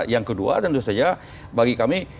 yang kedua tentu saja bagi kami